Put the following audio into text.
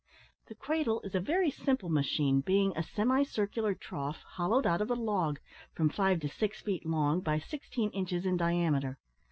The cradle is a very simple machine, being a semicircular trough, hollowed out of a log, from five to six feet long by sixteen inches in diameter.